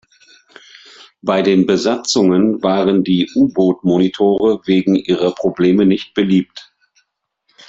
Bei den Besatzungen waren die U-Boot-Monitore wegen ihrer Probleme nicht beliebt.